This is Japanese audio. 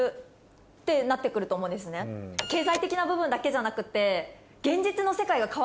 経済的な部分だけじゃなくて。